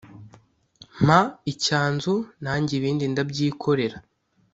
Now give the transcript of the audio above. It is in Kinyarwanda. mpa icyanzu nange ibindi ndabyikorera